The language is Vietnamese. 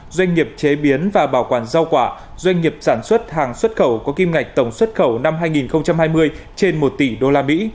doanh nghiệp chế biến và bảo quản rau quả doanh nghiệp sản xuất hàng xuất khẩu có kim ngạch tổng xuất khẩu năm hai nghìn hai mươi trên một tỷ usd